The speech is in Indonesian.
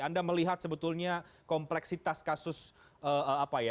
anda melihat sebetulnya kompleksitas kasus apa ya